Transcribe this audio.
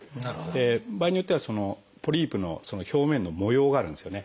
場合によってはポリープの表面の模様があるんですよね。